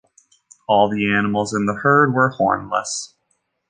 All the animals in the herd were hornless.